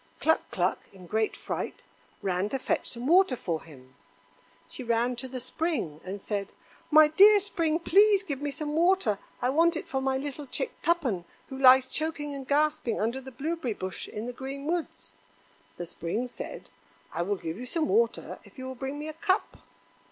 Cluck cluck, in great fright, ran to fetch some water for him. She ran to the Spring and said: "My dear Spring, please give me some water. I want it for my little chick Tuppen, who lies choking and gasping under the blueberry bush in the green woods." The Spring said: "I will give you some water if you will bring me a cup."